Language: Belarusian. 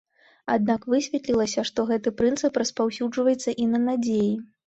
Аднак высветлілася, што гэты прынцып распаўсюджваецца і на надзеі.